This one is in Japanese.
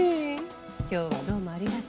今日はどうもありがとう。